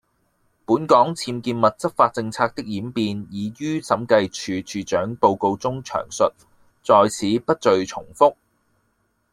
本港僭建物執法政策的演變已於審計署署長報告中詳述，在此不贅重覆。